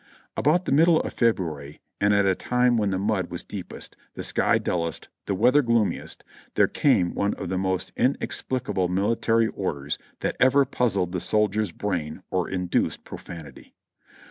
About the middle of February and at a time when the mud was deepest, the sky dullest, the weather gloomiest, there came one of the most inexplicable military orders that ever puzzled the soldiers' brains or induced profanity.